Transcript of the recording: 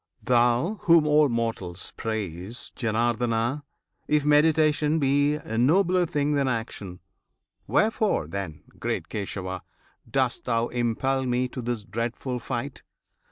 Thou whom all mortals praise, Janardana! If meditation be a nobler thing Than action, wherefore, then, great Kesava! Dost thou impel me to this dreadful fight?